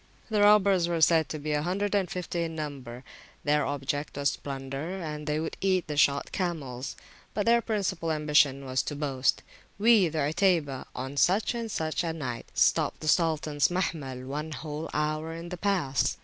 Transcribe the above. The robbers were said to be a hundred and fifty in number; their object was plunder, and they would eat the shot camels. But their principal ambition was the boast, We, the Utaybah, on such and such a [p.145] night, stopped the Sultans Mahmil one whole hour in the Pass.